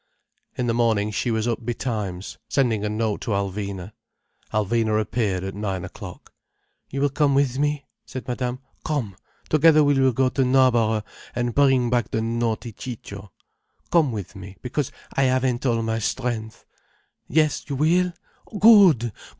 In the morning she was up betimes, sending a note to Alvina. Alvina appeared at nine o'clock. "You will come with me?" said Madame. "Come. Together we will go to Knarborough and bring back the naughty Ciccio. Come with me, because I haven't all my strength. Yes, you will? Good!